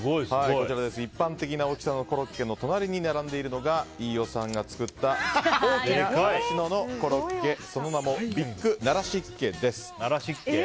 一般的な大きさのコロッケの隣に並んでいるのが飯尾さんが作った大きな習志野のコロッケその名もビッグ習志ッケです。